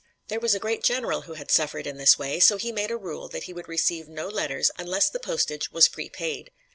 There was a great general who had suffered in this way, so he made a rule that he would receive no letters unless the postage was prepaid.